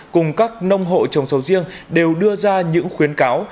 cùng các nông hộ trồng sầu riêng đều đưa ra những khuyến cáo